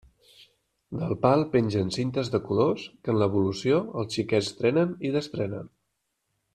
Del pal pengen cintes de colors que en l'evolució els xiquets trenen i destrenen.